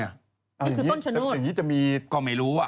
อ้าวอย่างนี้จะมีก็ไม่รู้อ่ะ